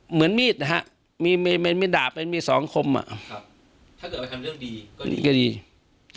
เหมือนมีดนะครับมีดาบมี๒คมถ้าเกิดไปทำเรื่องดีก็ดี